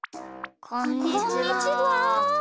こんにちは。